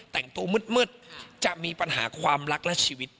แต่งตัวมืดจะมีปัญหาความรักและชีวิต